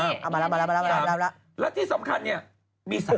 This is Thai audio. อ้าวมาแล้วแล้วที่สำคัญเนี่ยมี๓สี